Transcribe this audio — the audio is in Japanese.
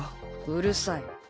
うるさい。